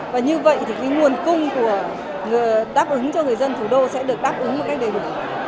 và như vậy thì cái nguồn cung của đáp ứng cho người dân thủ đô sẽ được đáp ứng một cách đầy đủ